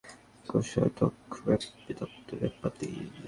এরপর হামলাকারী পূজামণ্ডপের কোষাধ্যক্ষ বাপ্পী দত্তকে চাপাতি দিয়ে কুপিয়ে আহত করেন।